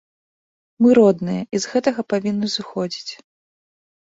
Мы родныя, і з гэтага павінны зыходзіць.